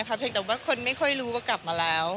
เพียงแต่ว่าคนไม่ค่อยรู้ว่ากลับมาแล้ว